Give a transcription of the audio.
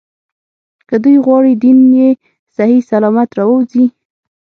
که دوی غواړي دین یې صحیح سلامت راووځي.